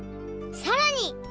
さらに！